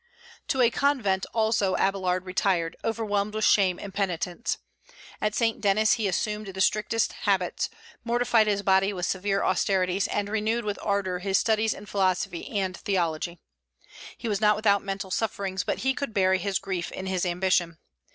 To a convent also Abélard retired, overwhelmed with shame and penitence. At St. Denis he assumed the strictest habits, mortified his body with severe austerities, and renewed with ardor his studies in philosophy and theology. He was not without mental sufferings, but he could bury his grief in his ambition.